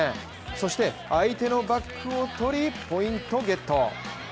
そして、相手のバックをとりポイントゲット。